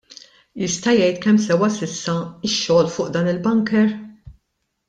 Jista' jgħid kemm sewa s'issa x-xogħol fuq dan il-bunker?